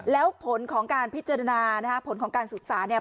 แล้วผลของการพิจารณานะฮะผลของการศึกษาเนี่ย